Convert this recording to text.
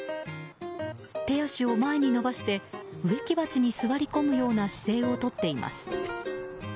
手足を前に伸ばして植木鉢に座り込むような姿勢をとっています。